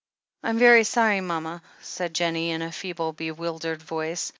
"I'm very sorry, mama,*' said Jennie, in a feeble, bewildered voice.